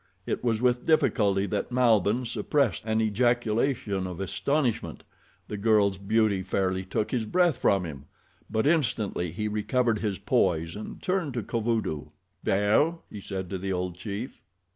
It was with difficulty that Malbihn suppressed an ejaculation of astonishment. The girl's beauty fairly took his breath from him; but instantly he recovered his poise and turned to Kovudoo. "Well?" he said to the old chief.